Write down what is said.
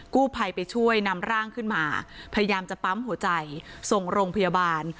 กู้ภัยไปช่วยนำร่างขึ้นมาพยายามจะปั๊มหัวใจส่งโรงพยาบาล